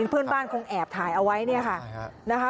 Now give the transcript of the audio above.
เพื่อนบ้านคงแอบถ่ายเอาไว้เนี่ยค่ะนะคะ